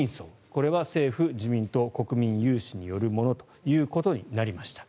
これは政府、自民党国民有志によるものとなりました。